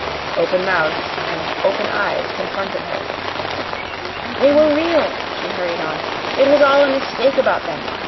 Open mouths and open eyes confronted her. "They were real," she hurried on. "It was all a mistake about them.